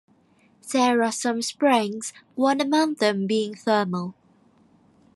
There are some springs, one among them being thermal.